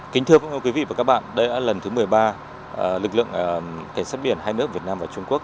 kính thưa quý vị và các bạn đây là lần thứ một mươi ba lực lượng cảnh sát biển hai nước việt nam và trung quốc